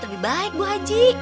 lebih baik bu haji